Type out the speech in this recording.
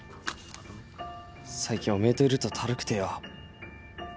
最近おめえといるとタルくてよ